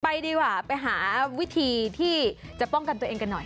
ดีกว่าไปหาวิธีที่จะป้องกันตัวเองกันหน่อย